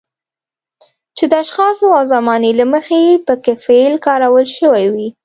چې د اشخاصو او زمانې له مخې پکې فعل کارول شوی وي.